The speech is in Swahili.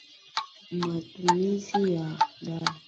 Utii na utekelezaji wa sheria pamoja na matumizi ya dhana mbalimbali